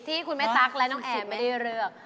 ที่คุณแม่ตั๊กและน้องแอนไม่ได้เลือก